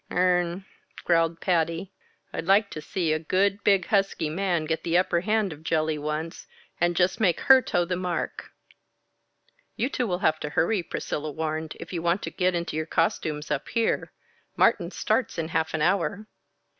"Urn," growled Patty. "I'd like to see a good, big, husky man get the upper hand of Jelly once, and just make her toe the mark!" "You two will have to hurry," Priscilla warned, "if you want to get into your costumes up here. Martin starts in half an hour."